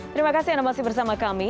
terima kasih anda masih bersama kami